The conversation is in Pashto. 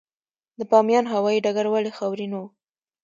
د بامیان هوايي ډګر ولې خاورین و؟